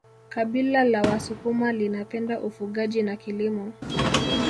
kabila la wasukuma linapenda ufugaji na kilimo